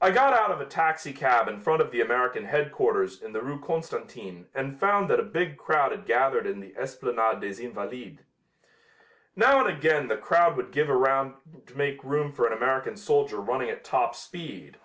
I got out of a taxicab in front of the American headquarters in the Rue Constantine and found that a big crowd had gathered in the Esplanade des Invalides. Now and again the crowd would give ground to make room for an American soldier running at top speed.